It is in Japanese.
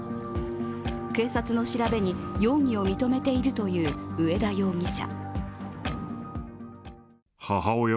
警察の調べに、容疑を認めているという上田容疑者。